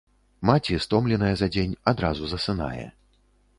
Маці, стомленая за дзень, адразу засынае.